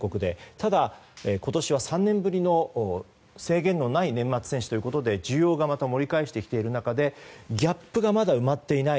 ただ、今年は３年ぶりの制限のない年末年始ということで需要がまた盛り返してきている中ギャップがまだ埋まっていない。